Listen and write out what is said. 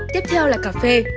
tiếp theo là cà phê